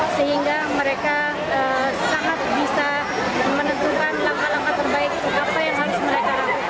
apa yang harus mereka lakukan